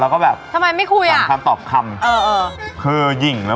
ไปโดยปริญญา